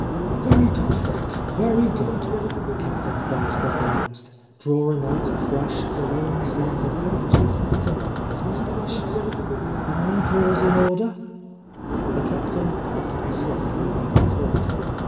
^46 A Lost Lady "Very good, Frank, very good," Captain For rester pronounced, drawing out a fresh, cologne scented handkerchief to wipe his moustache. "Are encores in order?" The Captain puffed slightly when he talked.